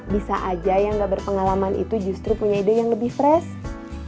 bisa aja yang gak berpengalaman itu justru punya ide yang lebih fresh